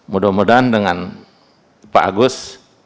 mudah mudahan dengan pak agus